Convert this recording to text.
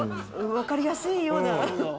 分かりやすいような。